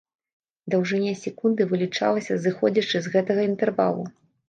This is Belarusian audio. Даўжыня секунды вылічалася зыходзячы з гэтага інтэрвалу.